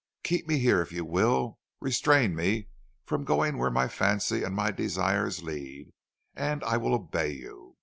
Keep me here if you will; restrain me from going where my fancy and my desires lead, and I will obey you.